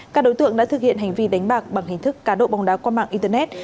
các đối tượng đã thực hiện hành vi đánh bạc bằng hình thức cá độ bóng đá qua mạng internet